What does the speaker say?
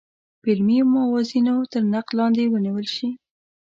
په علمي موازینو تر نقد لاندې ونیول شي.